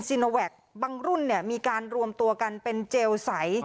โนแวคบางรุ่นเนี่ยมีการรวมตัวกันเป็นเจลใส